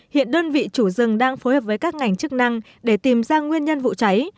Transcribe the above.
hiện đơn vị chủ rừng đang phối hợp với các ngành chức năng để tìm ra nguyên nhân vụ cháy